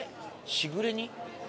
しぐれ煮？